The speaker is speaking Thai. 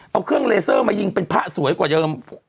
เอาเครื่องเลเซอร์มายิงเป็นพระสวยกว่าเดิม